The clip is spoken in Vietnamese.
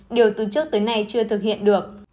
điều từ trước tới nay chưa thực hiện được